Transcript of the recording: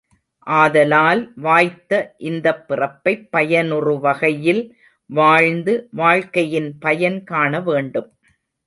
ஆதலால் வாய்த்த இந்தப் பிறப்பைப் பயனுறுவகையில் வாழ்ந்து, வாழ்க்கையின் பயன் காணவேண்டும்.